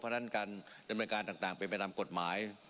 เพราะฉะนั้นการเรียนบริการต่างไปไปทำกฎหมาย